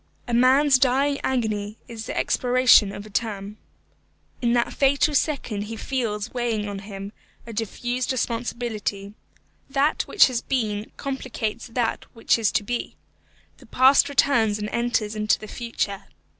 A man's dying agony is the expiration of a term. In that fatal second he feels weighing on him a diffused responsibility. That which has been complicates that which is to be. The past returns and enters into the future.